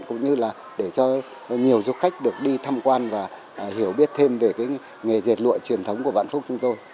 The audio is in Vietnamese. cũng như là để cho nhiều du khách được đi thăm quan và hiểu biết thêm về cái nghề dệt lụa truyền thống của vạn phúc chúng tôi